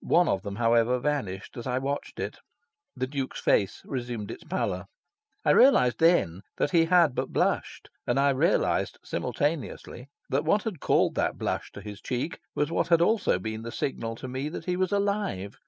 One of them, however, vanished as I watched it. The Duke's face resumed its pallor. I realised then that he had but blushed; and I realised, simultaneously, that what had called that blush to his cheek was what had also been the signal to me that he was alive.